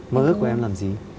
mơ ước của em làm gì